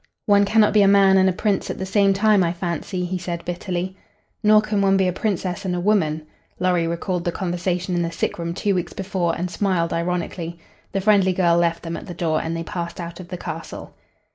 "One cannot be a man and a prince at the same time, I fancy," he said, bitterly. "Nor can one be a princess and a woman." Lorry recalled the conversation in the sickroom two weeks before and smiled ironically. The friendly girl left them at the door and they passed out of the castle.